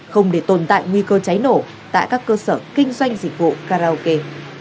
không để tồn tại nguy cơ cháy nổ tại các cơ sở kinh doanh dịch vụ karaoke